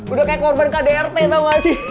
udah kayak korban kdrt tau gak sih